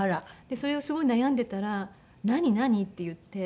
それをすごい悩んでたら「何？何？」って言って。